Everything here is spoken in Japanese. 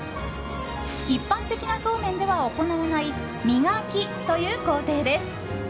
一般的なそうめんでは行わない磨きという工程です。